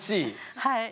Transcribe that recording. はい。